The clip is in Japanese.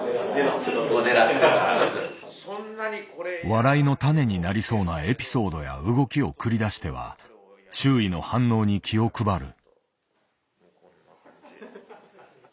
笑いのタネになりそうなエピソードや動きを繰り出しては周囲の反応に気を配る。